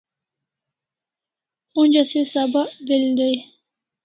Onja se sabak del dai